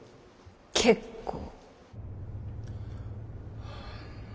結構。